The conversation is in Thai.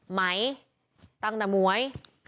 ไหมตั้งแต่หมวย